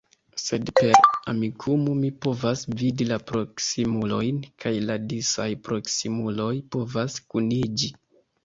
Sed per Amikumu mi povas vidi la proksimulojn, kaj la disaj proksimuloj povas kuniĝi.